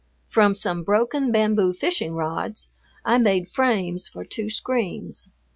From some broken bamboo fishing rods I made frames for two screens.